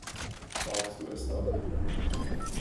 Brauchst du es noch?